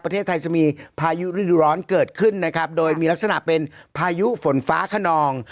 ประเทศไทยจะมีพายุฤดูร้อนเกิดขึ้นนะครับโดยมีลักษณะเป็นพายุฝนฟ้าขนอง